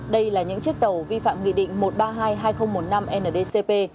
đây là những chiếc tàu vi phạm nghị định một trăm ba mươi hai hai nghìn một mươi năm ndcp